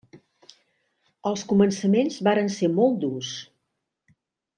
Els començaments varen ser molt durs.